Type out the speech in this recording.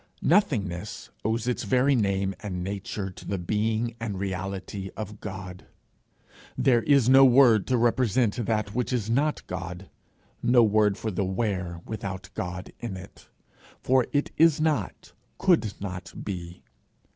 Nothingness owes its very name and nature to the being and reality of God. There is no word to represent that which is not God, no word for the where without God in it; for it is not, could not be.